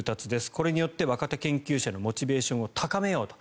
これによって若手研究者のモチベーションを高めようと。